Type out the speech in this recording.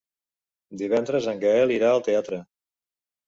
Divendres en Gaël irà al teatre.